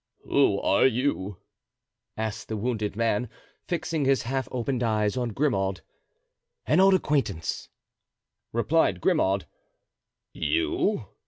"Who are you?" asked the wounded man, fixing his half opened eyes on Grimaud. "An old acquaintance," replied Grimaud. "You?"